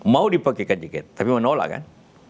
mau dipakaikan tiket tapi menolak kan